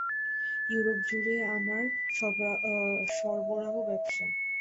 ইউরোপজুড়ে আমার সরবরাহ ব্যবসা।